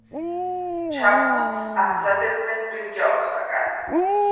ჩაფხუტს ამზადებდნენ ბრინჯაოსაგან.